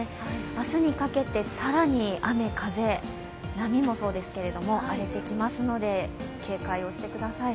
明日にかけて更に雨、風、波もそうですけども荒れてきますので、警戒をしてください。